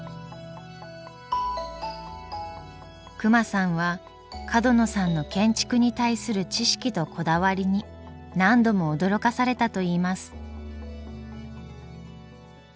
隈さんは角野さんの建築に対する知識とこだわりに何度も驚かされたといいます。